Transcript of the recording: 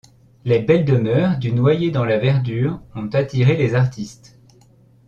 Les belles demeures du noyées dans la verdure ont attiré les artistes.